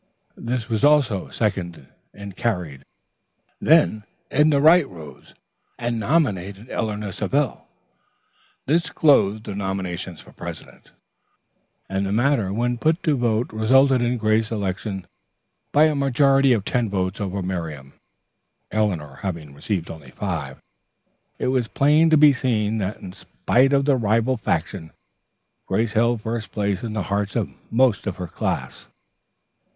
This was also seconded and carried. Then Edna Wright rose and nominated Eleanor Savell. This closed the nominations for president, and the matter when put to vote resulted in Grace's election by a majority of ten votes over Miriam, Eleanor having received only five. It was plain to be seen that in spite of the rival faction, Grace held first place in the hearts of most of her class.